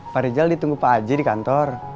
pak rizal ditunggu pak haji di kantor